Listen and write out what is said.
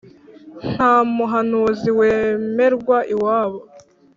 ntamuhanuzi wemerwa iwabo